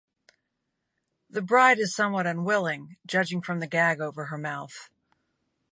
The bride is somewhat unwilling, judging from the gag over her mouth.